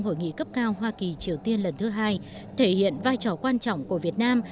hội nghị cấp cao hoa kỳ triều tiên lần thứ hai thể hiện vai trò quan trọng của việt nam